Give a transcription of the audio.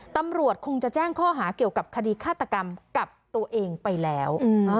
ตำรวจคงจะแจ้งข้อหาเกี่ยวกับคดีฆาตกรรมกับตัวเองไปแล้ว